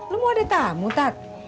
lu mau ada tamu tak